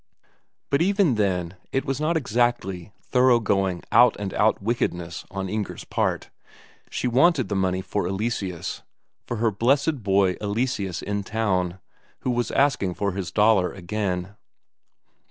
But even then it was not exactly thoroughgoing, out and out wickedness on Inger's part; she wanted the money for Eleseus for her blessed boy Eleseus in town, who was asking for his Daler again.